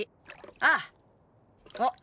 あああっ！